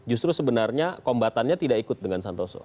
justru sebenarnya kombatannya tidak ikut dengan santoso